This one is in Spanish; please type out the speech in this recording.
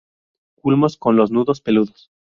Culmos con los nudos peludos.